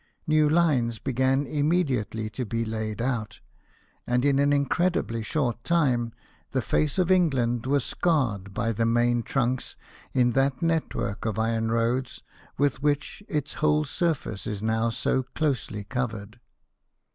New lines began immediately to be laid out, and in an incredibly short time the face of England was scarred by the main trunks in that network of iron roads with which its whole surface is now so closely covered.